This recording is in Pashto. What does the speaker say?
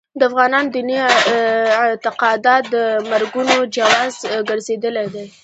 د افغانانو دیني اعتقادات د مرګونو جواز ګرځېدلي دي.